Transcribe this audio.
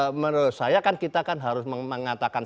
ya menurut saya kan kita kan harus mengatakan